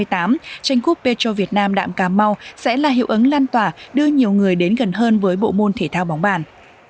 tranh quốc petro việt nam đạm cà mau sẽ là hiệu ứng lan tỏa đưa nhiều người đến gần hơn với bộ môn thể thao bóng bàn